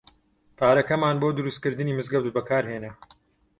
پارەکەمان بۆ دروستکردنی مزگەوت بەکار هێنا.